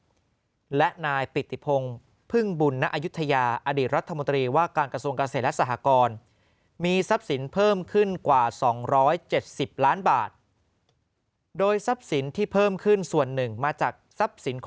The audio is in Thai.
พลเอกนรัฐครั้งดำรงตำแหน่งรัฐมนตรีช่วยว่าการกระทรวงการเสียและสหกรณ์